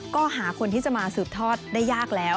ก็หาคนที่จะมาสืบทอดได้ยากแล้ว